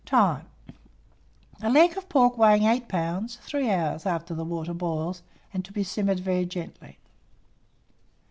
Time. A leg of pork weighing 8 lbs., 3 hours after the water boils, and to be simmered very gently.